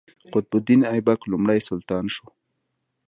قطب الدین ایبک لومړی سلطان شو.